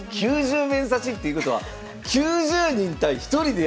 ９０面指しっていうことは９０人対１人でやるわけですか？